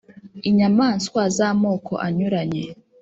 inyamaswa z'amoko anyuranye